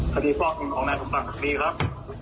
คดีปลอดภัณฑ์ของแนวสมภัณฑ์พี่ครับ